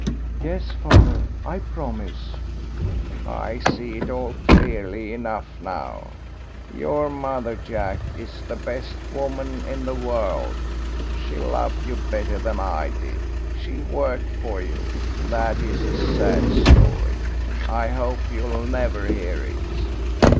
"Yes, father, I promise." "I see it all clearly enough now. Your mother, Jack, is the best woman in the world. She loved you better than I did. She worked for you that is a sad story. I hope you'll never hear it."